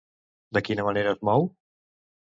De quina manera es mou?